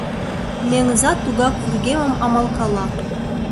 Меҥыза тугак вургемым амалкала.